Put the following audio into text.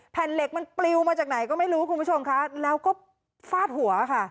เหล็กมันปลิวมาจากไหนก็ไม่รู้คุณผู้ชมค่ะแล้วก็ฟาดหัวค่ะ